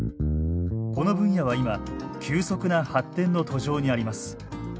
この分野は今急速な発展の途上にあります。